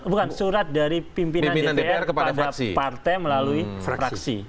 bukan surat dari pimpinan dpr kepada partai melalui fraksi